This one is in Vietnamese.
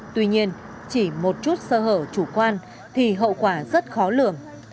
tuy nhiên chỉ một chút sơ hở chủ quan thì hậu quả rất khó lường